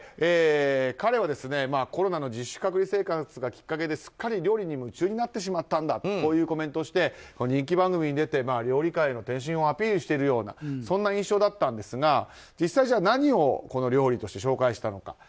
彼はコロナの自主隔離生活がきっかけですっかり料理に夢中になってしまったんだとコメントをして人気番組に出て料理界への転身をアピールしているような印象だったんですが実際、何を料理として紹介したのか。